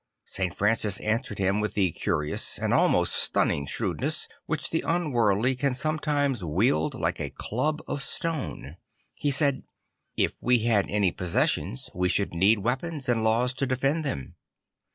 51. Francis answered him with that curious and almost stunning shre\vdness which the unworldly can sometimes wield like a club of stone. He said, "If we had any possessions, we should need weapons and laws to defend them."